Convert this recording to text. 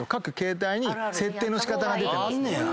あんねや！